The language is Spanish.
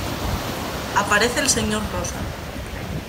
Aparece el señor Rosa.